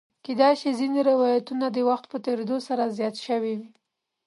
کېدای شي ځینې روایتونه د وخت په تېرېدو سره زیات شوي وي.